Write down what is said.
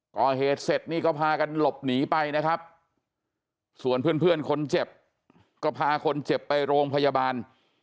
ก่อเหตุเสร็จนี่ก็พากันหลบหนีไปนะครับส่วนเพื่อนคนเจ็บก็พาคนเจ็บไปโรงพยาบาล